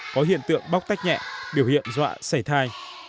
có hiện tượng bóc tách nhẹ biểu hiện dọa xảy thai